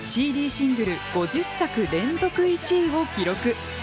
シングル５０作連続１位を記録。